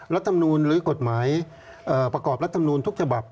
รัฐมนูลหรือกฎหมายประกอบรัฐมนูลทุกฉบับ